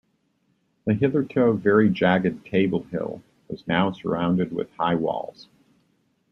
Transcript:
The hitherto very jagged table hill was now surrounded with high walls.